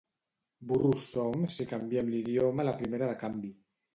Burros som si canviem l'idioma a la primera de canvi